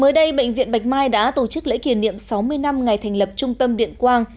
mới đây bệnh viện bạch mai đã tổ chức lễ kỷ niệm sáu mươi năm ngày thành lập trung tâm điện quang